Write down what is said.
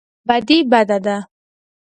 بدي بده ده.